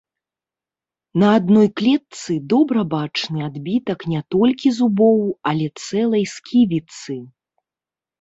На адной клетцы добра бачны адбітак не толькі зубоў, але цэлай сківіцы!